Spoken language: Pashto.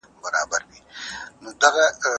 د جرګي په تالار کي څوک خبري کوي؟